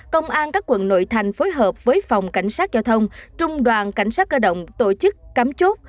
công an các quận nội thành phối hợp với phòng cảnh sát giao thông trung đoàn cảnh sát cơ động tổ chức cắm chốt